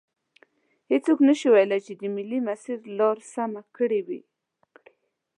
هیڅوک نشي ویلی چې د ملي مسیر لار سمه کړي وي.